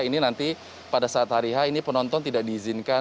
ini nanti pada saat hari h ini penonton tidak diizinkan